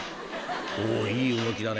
［おいい動きだね。